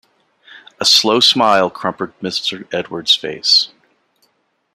A slow smile crumpled Mr. Edwards's face.